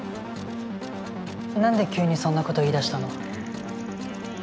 なんで急にそんな事言いだしたの？